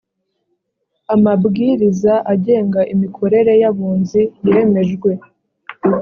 amabwiriza agenga imikorere yabunzi yemejwe